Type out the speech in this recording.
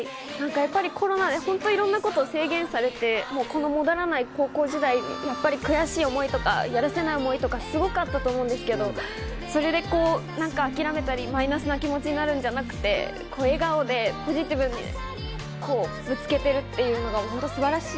コロナでいろんなことを制限されて戻らない高校時代、悔しい思いとか、やるせない思いとかすごくあったと思うんですけど、諦めたりマイナスな気持ちになるんじゃなくて笑顔でポジティブにぶつけているというのが本当に素晴らしい。